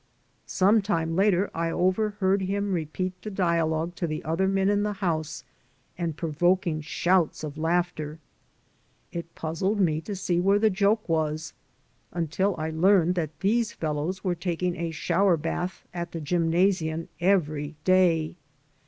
Some time later I overheard him repeat the dialogue to the other men in the house and provoking shouts of laughter. It puzzled me to see where the joke was, until I learned that these fellows were taking a shower bath at the gymnasium every day.